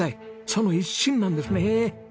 その一心なんですね。